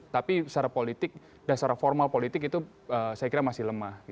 tapi secara politik dan secara formal politik itu saya kira masih lemah